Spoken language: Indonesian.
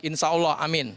insya allah amin